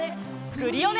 クリオネ！